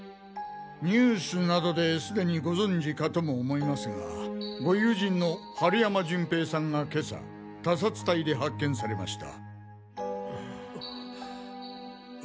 ニュース等ですでにご存じかとも思いますがご友人の春山淳兵さんが今朝他殺体で発見されました。